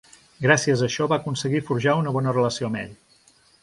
Gràcies a això va aconseguir forjar una bona relació amb ell.